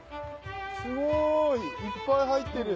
すごい！いっぱい入ってる！